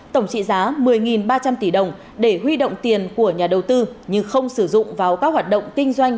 tổng trị giá một mươi ba trăm linh tỷ đồng để huy động tiền của nhà đầu tư nhưng không sử dụng vào các hoạt động kinh doanh